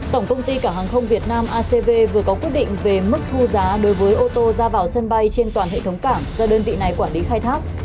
tổng công ty cảng hàng không việt nam acv vừa có quyết định về mức thu giá đối với ô tô ra vào sân bay trên toàn hệ thống cảng do đơn vị này quản lý khai thác